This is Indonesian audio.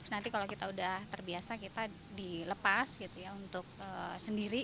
nanti kalau kita sudah terbiasa kita dilepas untuk panahan sendiri